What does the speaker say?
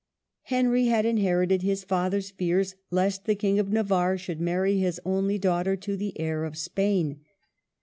Henry had inherited his father's fears lest the King of Navarre should marry his only daughter to the heir of Spain.